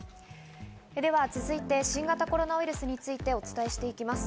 では続いて新型コロナウイルスについてお伝えしていきます。